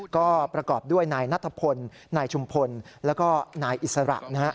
ก็ประกอบด้วยนายนัทพลนายชุมพลแล้วก็นายอิสระนะฮะ